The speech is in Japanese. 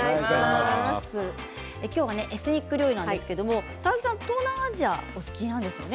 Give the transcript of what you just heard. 今日はエスニック料理なんですが高城さん、東南アジア料理がお好きなんですよね。